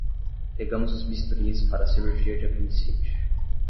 Pegamos os bisturis para a cirurgia de apendicite